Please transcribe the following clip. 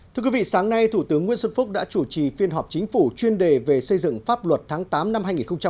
thưa quý vị sáng nay thủ tướng nguyễn xuân phúc đã chủ trì phiên họp chính phủ chuyên đề về xây dựng pháp luật tháng tám năm hai nghìn hai mươi